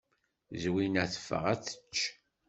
Zwina teffeɣ ad tečč.